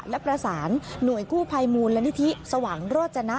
และประสานหน่วยคู่ภายมูลและนิธิสวังโรจนะ